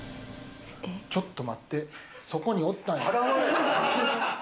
ちょっと待って、そこに、おったんや。